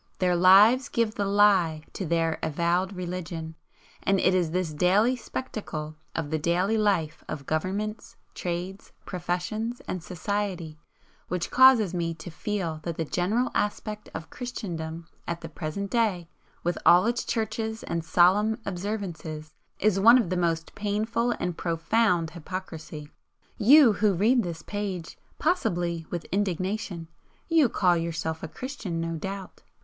Their lives give the lie to their avowed religion, and it is this daily spectacle of the daily life of governments, trades, professions and society which causes me to feel that the general aspect of Christendom at the present day, with all its Churches and solemn observances, is one of the most painful and profound hypocrisy. You who read this page, (possibly with indignation) you call yourself a Christian, no doubt.